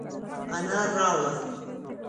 انار راوړه،